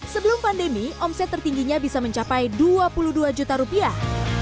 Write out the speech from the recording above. sebelum pandemi omset tertingginya bisa mencapai dua puluh dua juta rupiah